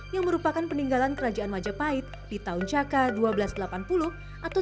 yang merupakan peninggalan kerajaan majapahit di tahun caka seribu dua ratus delapan puluh atau seribu tiga ratus lima puluh tiga